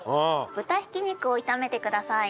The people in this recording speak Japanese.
豚挽き肉を炒めてください。